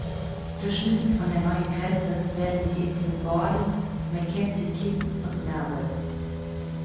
Durchschnitten von der neuen Grenze werden die Inseln Borden, Mackenzie-King und Melville.